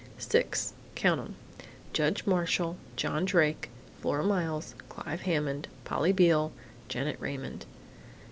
Six count 'em: Judge Marshall, John Drake, Flora Miles, Clive Hammond, Polly Beale, Janet Raymond....